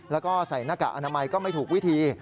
แล้วก็ใส่หน้ากากอนามัยก็ไม่ถูกวิธี